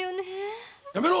やめろ！